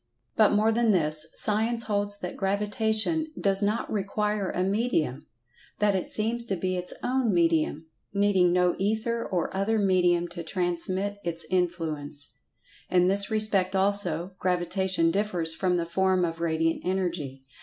But more than this. Science holds that Gravitation does not require a medium—that it seems to be its own medium—needing no "Ether" or other medium to transmit its in[Pg 144]fluence. In this respect also, Gravitation differs from the form of Radiant Energy.